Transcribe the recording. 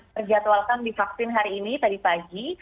terjadwalkan divaksin hari ini tadi pagi